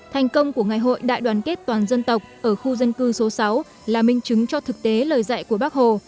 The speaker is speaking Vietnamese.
thành công của ngày hội đại đoàn kết toàn dân tộc ở khu dân cư số sáu là minh chứng cho thực tế lời dạy của bác hồ